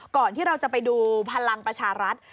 ก่อนที่เราจะไปดูพลังประชารัฐ